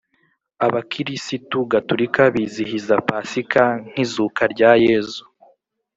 Abakirisitu gaturika bizihiza pasika nkizuka rya yezu